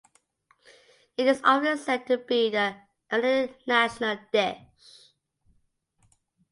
It is often said to be the Iranian national dish.